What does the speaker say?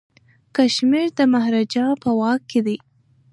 کشمیر د مهاراجا په واک کي دی.